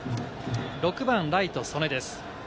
６番ライト・曽根です。